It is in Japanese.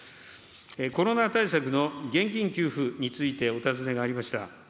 コロナ対策の現金給付についてお尋ねがありました。